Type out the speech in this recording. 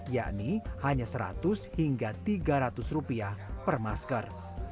yakni hanya seratus hingga tiga ratus rupiah per masker